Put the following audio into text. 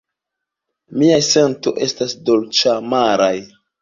Miaj sentoj estas dolĉamaraj.